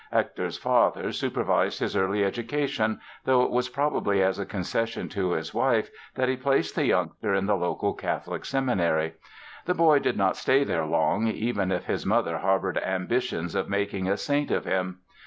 Hector's father supervised his early education, though it was probably as a concession to his wife that he placed the youngster in the local Catholic Seminary. The boy did not stay there long even if his mother harbored ambitions of making a saint of him.